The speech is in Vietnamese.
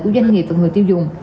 của doanh nghiệp và người tiêu dùng